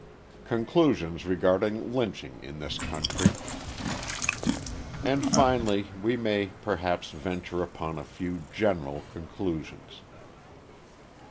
Conclusions Regarding Lynching in This Country And finally, we may, perhaps venture upon a few general conclusions.